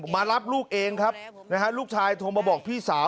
มารับลูกเองครับนะฮะลูกชายโทรมาบอกพี่สาว